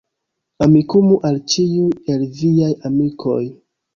Amikumu al ĉiuj el viaj amikoj